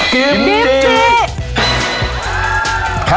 กิมจิ